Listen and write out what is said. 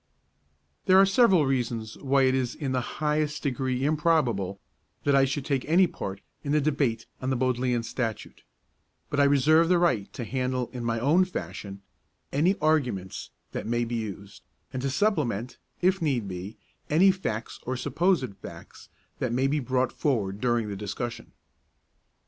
_ There are several reasons why it is in the highest degree improbable that I should take any part in the debate on the Bodleian Statute, but I reserve the right to handle in my own fashion any arguments that may be used, and to supplement, if need be, any facts or supposed facts that may be brought forward during the discussion.